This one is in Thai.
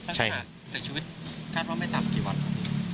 แล้วขนาดเสียชีวิตคาดว่าไม่ต่ำกี่วันครับ